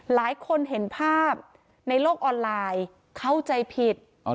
หลายคนเห็นภาพในโลกออนไลน์เข้าใจผิด